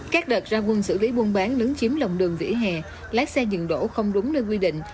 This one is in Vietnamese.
các đợt ra quân xử lý buôn bán lấn chiếm lòng đường vỉa hè lái xe dừng đổ không đúng nơi quy định